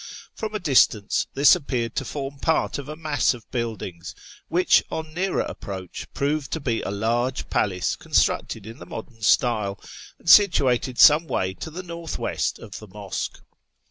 From a distance this appeared to form part of a mass of buildings, which, on nearer approach, proved to be a large palace con structed in the modern style, and situated some way to the north west of the mosque.